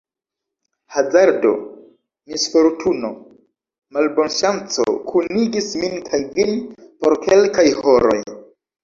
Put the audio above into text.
Hazardo, misfortuno, malbonŝanco kunigis min kaj vin por kelkaj horoj.